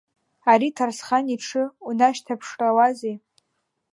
Ари Ҭарсхан иҽы унашьҭаԥшрауазеи?